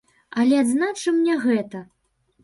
Але адзначым не гэта.